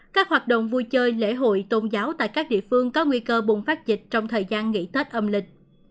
các hoạt động vui chơi lễ hội tôn giáo tại các địa phương có nguy cơ bùng phát dịch trong thời gian nghỉ tết âm lịch